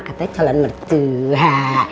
katanya calon mertua